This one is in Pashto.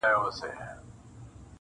چي مازیګر په ښایسته کیږي-